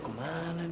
udah makan siang